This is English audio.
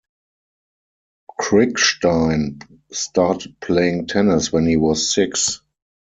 Krickstein started playing tennis when he was six.